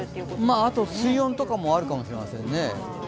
あと水温とかもあるかもしれませんね。